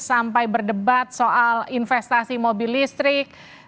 sampai berdebat soal investasi mobil listrik